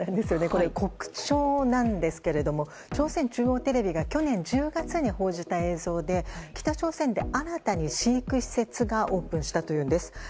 コクチョウなんですけれども朝鮮中央テレビが、去年１０月に報じた映像で北朝鮮で新たに飼育施設がオープンしたというんです。